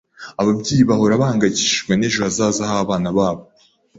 Ababyeyi bahora bahangayikishijwe n'ejo hazaza h'abana babo.